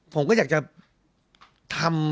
ผมก็อยากจะทำ